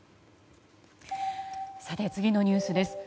次のニュースです。